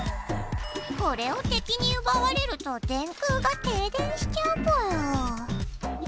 これをてきにうばわれると電空が停電しちゃうぽよ。